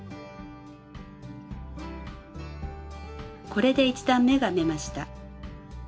これで１段めが編めました。